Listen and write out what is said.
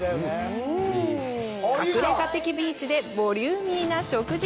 隠れ家的ビーチでボリューミーな食事。